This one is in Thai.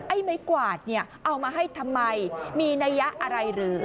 ไอ้ไม้กวาดเนี่ยเอามาให้ทำไมมีนัยยะอะไรหรือ